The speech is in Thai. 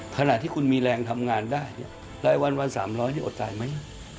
ขณะที่คุณมีแรงทำงานได้รายวันวัน๓๐๐นี่อดตายไหม